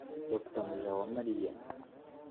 Dr Mujawamariya